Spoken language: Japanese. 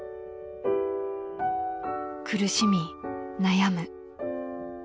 ［「苦しみ悩む」］